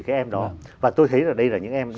cái em đó và tôi thấy là đây là những em